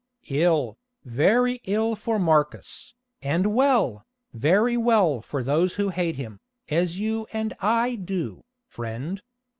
"Ill, very ill for Marcus, and well, very well for those who hate him, as you and I do, friend.